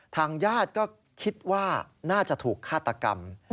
ทางญาติก็คิดว่าน่าจะถูกฆาตกรรม